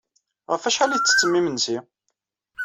Ɣef wacḥal ay tettettem imensi?